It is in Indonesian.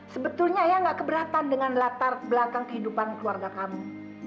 sebetulnya ayah gak keberatan dengan latar belakang kehidupan keluarga kamu